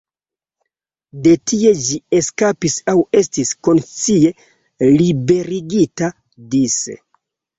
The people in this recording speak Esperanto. De tie ĝi eskapis aŭ estis konscie liberigita dise.